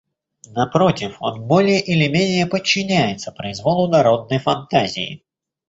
Напротив, он более или менее подчиняется произволу народной фантазии.